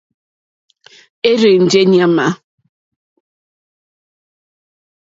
É rzènjé ŋmánà.